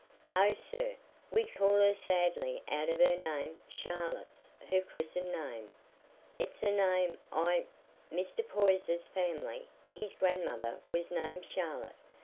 "Oh, sir, we call her sadly out of her name. Charlotte's her christened name. It's a name i' Mr. Poyser's family: his grandmother was named Charlotte.